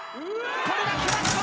これが決まった！